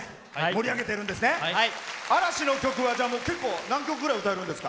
嵐の曲は何曲ぐらい歌えるんですか？